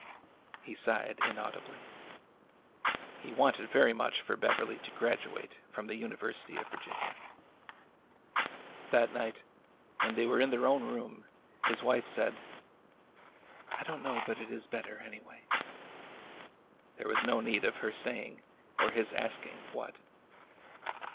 He sighed inaudibly. He wanted very much for Bev erly to graduate from the University of Virginia. 172 ORDER NO. 11 That night, when they were in their own room, his wife said : I donl know but it is better, anyway.'' There was no need of her saying, or his asking, what.